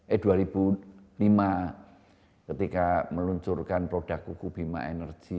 eh dua ribu lima ketika meluncurkan produk kukubima energy